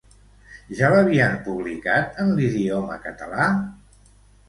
Ja l'havien publicat en l'idioma català?